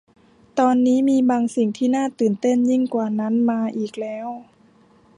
ตอนนี้มีบางสิ่งที่น่าตื่นเต้นยิ่งกว่านั้นมาอีกแล้ว